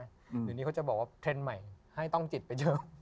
เดี๋ยวนี้เขาจะบอกว่าเทรนด์ใหม่ให้ต้องจิตไปเถอะ